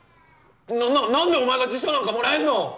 なんでお前が辞書なんかもらえんの！？